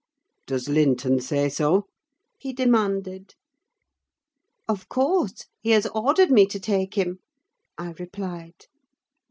"Does Linton say so?" he demanded. "Of course—he has ordered me to take him," I replied.